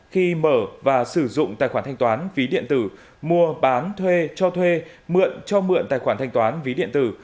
khi mở và sử dụng tài khoản thanh toán ví điện tử mua bán thuê cho thuê mượn cho mượn tài khoản thanh toán ví điện tử